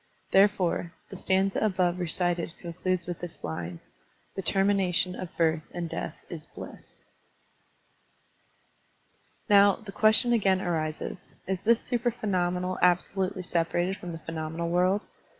Therefore, the stanza above recited concludes with this line: "The termination of birth and death is bliss.'* Now, the question again arises. Is this supra phenomenal absolutely separated from the phe nomenal world?